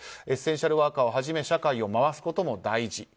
エッセンシャルワーカーをはじめ社会を回すことも大事。